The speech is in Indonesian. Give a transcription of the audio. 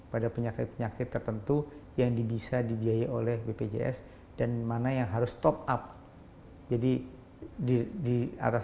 pada penyakit penyakit tertentu yang bisa dibiayai oleh bpjs dan mana yang harus top up jadi di atas